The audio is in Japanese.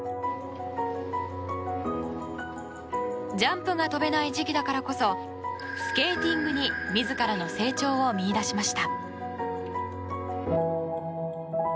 ジャンプが跳べない時期だからこそスケーティングに自らの成長を見いだしました。